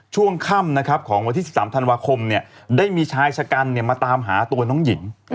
ช่วงค่ำนะครับของวันที่๑๓ธันวาคมได้มีชายชะกันมาตามหาตัวน้องหญิง